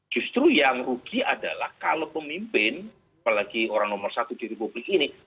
justru yang rugi adalah kalau pemimpin apalagi orang nomor satu di republik ini